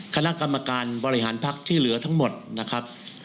คณะกรรมการบริหารภักดิ์ที่เหลือทั้งหมดนะครับ